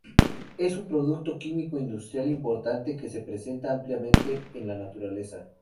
Es un producto químico industrial importante que se presenta ampliamente en la naturaleza.